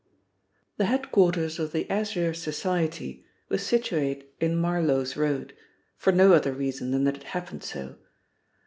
The headquarters of the Azure Society were situate in Marloes Road, for no other reason than that it happened so.